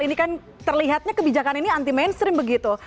ini kan terlihatnya kebijakan ini anti mainstream begitu